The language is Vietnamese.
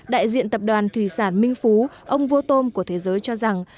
đại diện tập đoàn thủy sản minh phú ông vô tôm của thế giới cho rằng